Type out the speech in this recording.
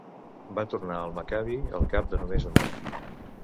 Va tornar al Maccabi al cap de només un any.